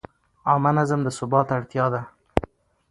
عامه نظم د ثبات اړتیا ده.